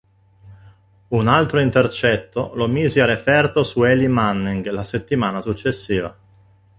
Un altro intercetto lo mise a referto su Eli Manning la settimana successiva.